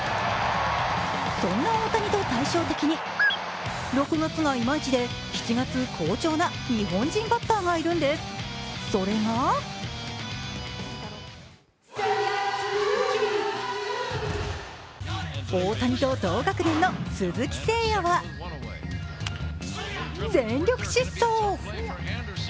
そんな大谷と対照的に６月がイマイチで７月好調な日本人バッターがいるんです、それが大谷と同学年の鈴木誠也は全力疾走。